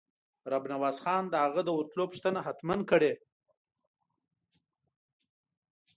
رب نواز خان د هغه د ورتلو پوښتنه حتماً کړې.